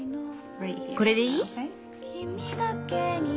これでいい？